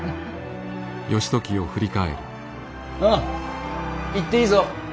ああ行っていいぞ。